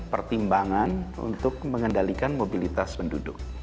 pertimbangan untuk mengendalikan mobilitas penduduk